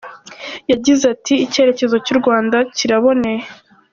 Yagize ati “Icyerekezo cy’u Rwanda kiraboneye.